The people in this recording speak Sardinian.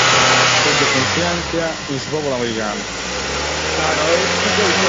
Tèngio cunfiàntzia in su pòpulu americanu.